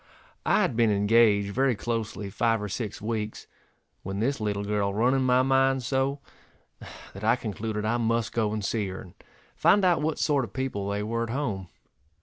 I had been engaged very closely five or six weeks, when this little girl run in my mind so, that I concluded I must go and see her, and find out what sort of people they were at home.